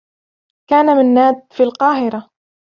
كان منّاد في القاهرة.